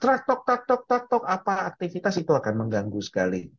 apa aktivitas itu akan mengganggu sekali